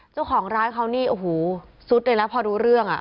เจ้าของร้านเขานี่โอ้โหสุดเลยแล้วพอรู้เรื่องอ่ะ